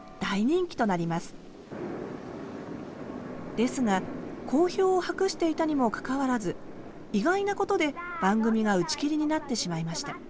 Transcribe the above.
ですが好評を博していたにもかかわらず意外なことで番組が打ち切りになってしまいました。